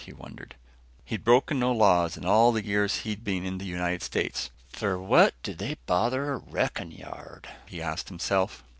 he wondered. He'd broken no laws in all the years he'd been in the United States. "For what do they bother a wrecking yard?" he asked himself.